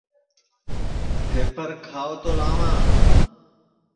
پھپر کھاو تو لاواں